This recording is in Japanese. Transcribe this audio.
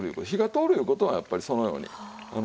火が通るいう事はやっぱりそのように。